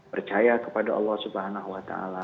percaya kepada allah swt